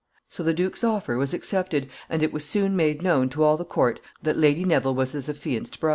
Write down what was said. So the duke's offer was accepted, and it was soon made known to all the court that Lady Neville was his affianced bride.